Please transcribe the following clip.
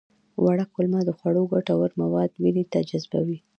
وړه کولمه د خوړو ګټور مواد وینې ته جذبوي